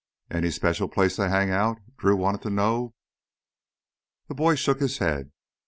"Any special place they hang out?" Drew wanted to know. The boy shook his head.